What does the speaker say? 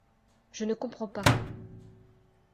Je ne comprends pas !…